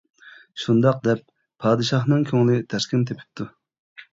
شۇنداق دەپ، پادىشاھنىڭ كۆڭلى تەسكىن تېپىپتۇ.